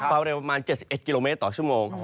ความเร็วประมาณ๗๑กิโลเมตรต่อชั่วโมง